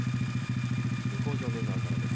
向正面側からです。